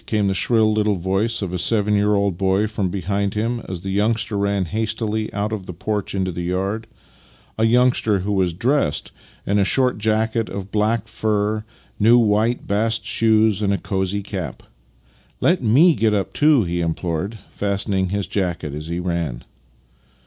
" came the shrill little voice of a seven 3'ear old boy from behind him, as the youngster ran hastily out of the porch into the yard — a youngster who was dressed in a short jacket of black fur, new white bast shoes, and a cosy cap. " Let f)ie get up too," he implored, fastening his jacket as he ran.